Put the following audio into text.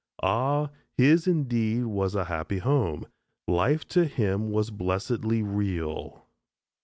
Ah, his indeed was a happy home. Life to him was blessedly real.